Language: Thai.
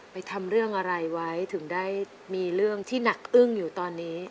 ทำเรื่องอะไรไว้ถึงได้มีเรื่องที่หนักอึ้งอยู่ตอนนี้